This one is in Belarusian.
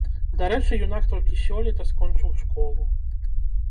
Дарэчы, юнак толькі сёлета скончыў школу.